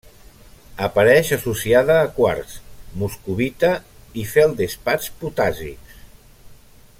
Apareix associada a quars, moscovita i feldespats potàssics.